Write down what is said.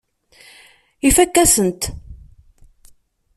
Ifakk-asen-t.